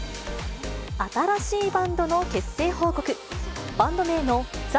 新しいバンドの結成報告。